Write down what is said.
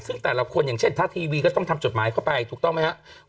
ซึ่งแต่ละคนอย่างเช่นถ้าทีวีก็ต้องทำจดหมายเข้าไปถูกต้องไหมครับ